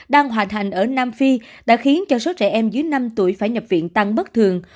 đang hòa thành ở nam phi đã khiến cho số trẻ em dưới năm tuổi phải nhập viện tăng bất thường